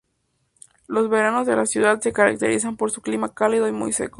Los veranos de la ciudad se caracterizan por su clima cálido y muy seco.